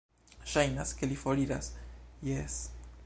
Ŝajnas, ke li foriras... jes.